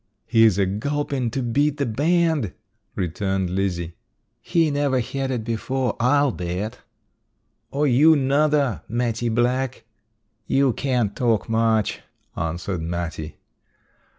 "He's a gulpin' to beat the band," returned Lizzie. "He never hed it before, I'll bet." "Or you nuther, Mattie Black." "You can't talk much," answered Mattie.